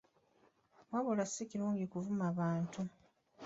Wabula si kirungi kuvuma bantu.